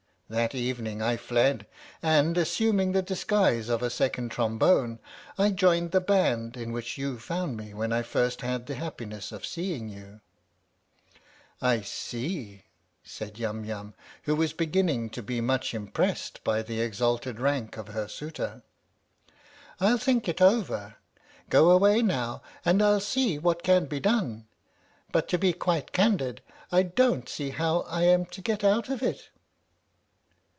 That evening I fled, and, assuming the disguise of a Second Trom bone, I joined the band in which you found me when I first had the happiness of seeing you." 50 THE STORY OF THE MIKADO " I see," said Yum Yum, who was beginning to be much impressed by the exalted rank of her suitor. " I'll think it over. Go away now and I'll see what can be done. But to be quite candid, I don't see how I am to get out of it."